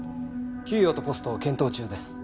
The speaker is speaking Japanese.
給与とポストを検討中です。